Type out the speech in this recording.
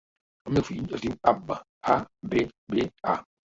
El meu fill es diu Abba: a, be, be, a.